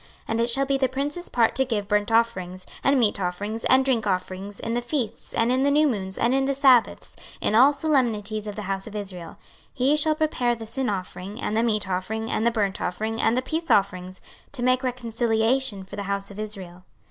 26:045:017 And it shall be the prince's part to give burnt offerings, and meat offerings, and drink offerings, in the feasts, and in the new moons, and in the sabbaths, in all solemnities of the house of Israel: he shall prepare the sin offering, and the meat offering, and the burnt offering, and the peace offerings, to make reconciliation for the house of Israel.